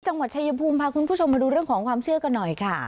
จังหวัดชายภูมิพาคุณผู้ชมมาดูเรื่องของความเชื่อกันหน่อยค่ะ